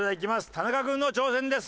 田中君の挑戦です。